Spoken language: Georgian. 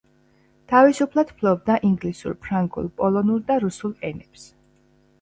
თავისუფლად ფლობდა ინგლისურ, ფრანგულ, პოლონურ და რუსულ ენებს.